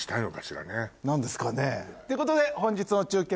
なんですかね？ということで本日の中継